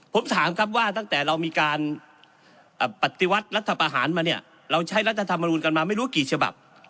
ผมถามครับว่าตั้งแต่เรามีการปฏิวัติรัฐประหารมาเนี่ยเราใช้รัฐธรรมนูลกันมาไม่รู้กี่ฉบับ